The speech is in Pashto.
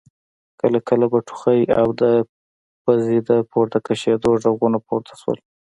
کله کله به ټوخی او د پزو د پورته کشېدو غږونه پورته شول.